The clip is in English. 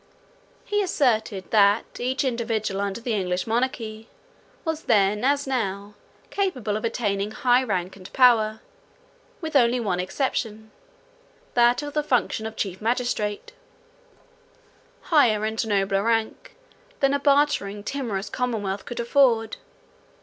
He asserted, that each individual under the English monarchy, was then as now, capable of attaining high rank and power—with one only exception, that of the function of chief magistrate; higher and nobler rank, than a bartering, timorous commonwealth could afford.